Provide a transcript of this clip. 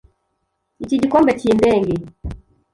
iki gikombe kindenge.